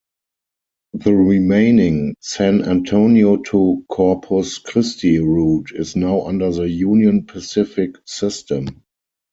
The remaining San Antonio-to-Corpus Christi route is now under the Union Pacific system.